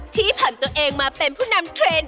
ที่ผ่านตัวเองมาเป็นผู้นำเทรนด์